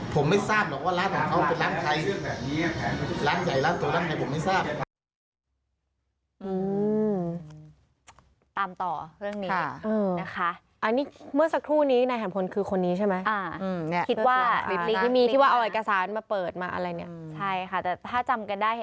ผมไม่ทราบหรอกว่าร้านของเขาเป็นร้านไทย